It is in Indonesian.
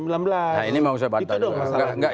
nah ini mau saya bantah dulu